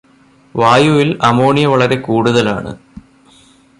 വായുവില് ammonia വളരെ കൂടുതലാണ്